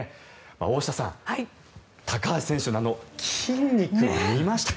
大下さん、高橋選手の筋肉見ましたか？